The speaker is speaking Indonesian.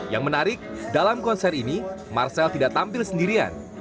yang menarik dalam konser ini marcel tidak tampil sendirian